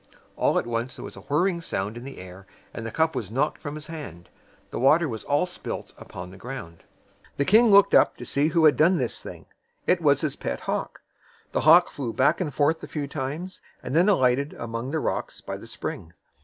All at once there was a whir ring sound in the air, and the cup was knocked from his hands. The water was all spilled upon the ground. The king looked up to see who had done this thing. It was his pet hawk. The hawk flew back and forth a few times, and then alighted among the rocks by the spring.